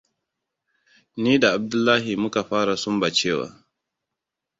Ni da Abdullahi muka fara sumbancewa.